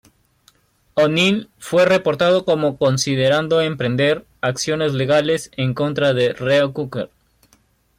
O'Neil fue reportado como considerando emprender acciones legales en contra de Reo-Coker.